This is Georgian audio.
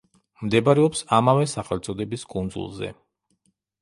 მდებარეობს ამავე სახელწოდების კუნძულზე.